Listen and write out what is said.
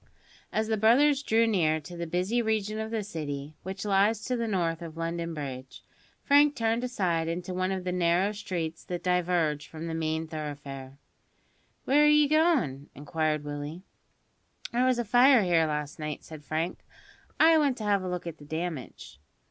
As the brothers drew near to the busy region of the City which lies to the north of London Bridge; Frank turned aside into one of the narrow streets that diverge from the main thoroughfare. "Where are ye goin'?" inquired Willie. "There was a fire here last night," said Frank; "I want to have a look at the damage."